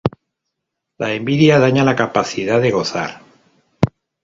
La envidia daña la capacidad de gozar.